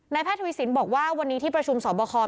แพทย์ทวีสินบอกว่าวันนี้ที่ประชุมสอบคอ